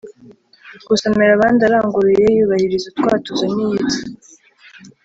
Gusomera abandi aranguruye yubahiriza utwatuzo n’iyitsa